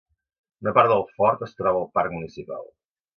Una part del fort es troba al parc municipal.